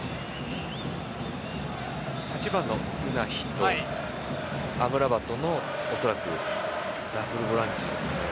８番のウナヒとアムラバトのダブルボランチですね。